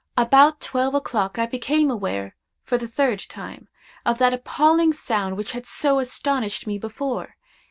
About twelve o'clock I became aware, for the third time, of that appalling sound which had so astonished me before.